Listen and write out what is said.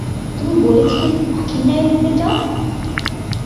তুমি বলেছিলে, পাখির ন্যায় উড়তে চাও!